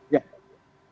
ya jadi sekali lagi